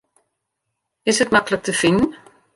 Is it maklik te finen?